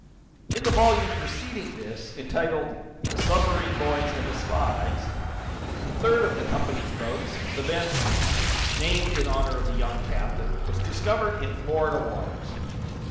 In the volume preceding this, entitled "The Submarine Boys and the Spies," the third of the company's boats, the "Benson," named in honor of the young captain, was discovered in Florida waters.